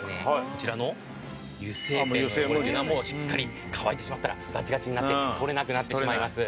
こちらの油性ペンしっかり乾いてしまったらガチガチになって取れなくなってしまいます。